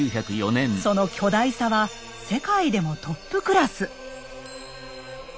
その巨大さは世界でもトップクラス。